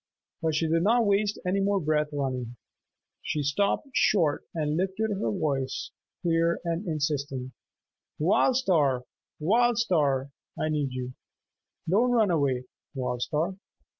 But she did not waste any more breath running. She stopped short and lifted her voice, clear and insistent, "Wild Star! Wild Star! I need you! Don't run away. Wild Star!"